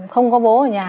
không có bố ở nhà